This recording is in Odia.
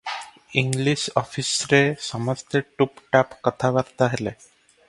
ଇଂଲିଶ୍ ଅଫିସରେ ସମସ୍ତେ ଟୁପ୍ଟାପ୍ କଥାବାର୍ତ୍ତା ହେଲେ ।